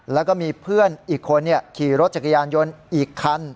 แล้วก็มีเพื่อนอีกคนขี่รถจักรยานยนต์อีกคัน